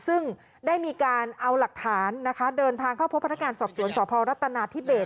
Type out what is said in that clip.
ซึ่งได้มีการเอาหลักฐานนะคะเดินทางเข้าพบพัฒนาการสอบสวนสอบพรรณตนาที่เบต